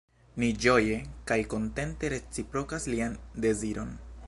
Ni ĝoje kaj kontente reciprokas lian deziron.